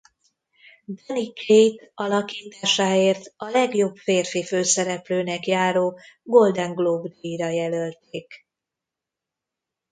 Danny Kaye-t alakításáért a legjobb férfi főszereplőnek járó Golden Globe-díjra jelölték.